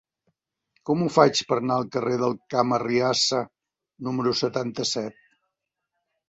Com ho faig per anar al carrer del Camp Arriassa número setanta-set?